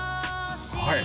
はい！